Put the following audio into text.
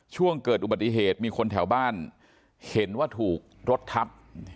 ช่วงเกิดอุบัติเหตุมีคนแถวบ้านเห็นว่าถูกรถทับ